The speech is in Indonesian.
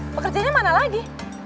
pekerjanya mana lagi